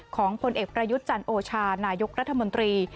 ผลเอกประยุทธ์จันโอชานายกรัฐมนตรี